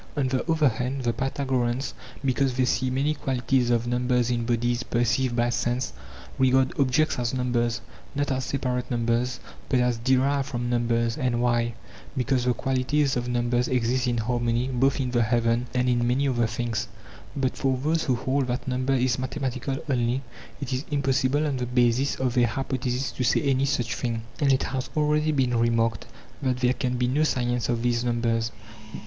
On the other hand the Pytha goreans, because they see many qualities of numbers in bodies perceived by sense, regard objects as numbers, not as separate numbers, but as derived from numbers. And why ? Because the qualities of numbers exist in PYTHAGORAS AND THE PYTHAGOREANS 143 harmony both in the heaven and in many other things. But for those who hold that number is mathematical only, it is impossible on the basis of their hypothesis to say any such thing; and it has already been remarked that there can be no science of these numbers.